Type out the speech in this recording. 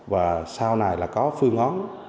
và sau này là có phương ấn